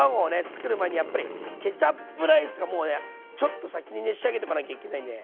つくる前にやっぱりケチャップライスがもうちょっと先にね仕上げとかなきゃいけないんで。